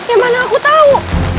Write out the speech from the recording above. yang mana aku tau